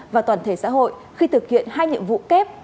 và toàn thể xã hội khi thực hiện hai nhiệm vụ kép